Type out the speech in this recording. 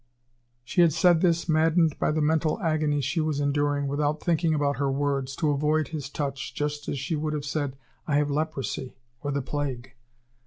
She had said this, maddened by the mental agony she was enduring, without thinking about her words, to avoid his touch, just as she would have said: "I have leprosy, or the plague."